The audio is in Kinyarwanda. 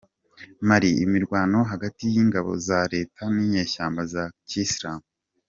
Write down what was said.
Mali Imirwano hagati y’ingabo za Leta n’inyeshyamba za Kiyisilamu